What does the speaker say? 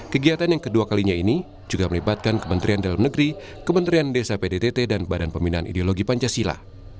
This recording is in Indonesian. kegiatan yang kedua kalinya ini juga melibatkan kementerian dalam negeri kementerian desa pdtt dan badan pembinaan ideologi pancasila